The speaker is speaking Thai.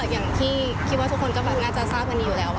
ก็อย่างที่คิดว่าทุกคนก็น่าจะทราบวันนี้อยู่แล้วอะ